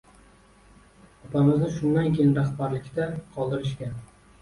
Opamizni shundan keyin rahbarlikda qoldirishgan.